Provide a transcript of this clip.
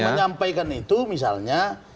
yang menyampaikan itu misalnya